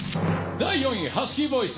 第４位、ハスキーボイス。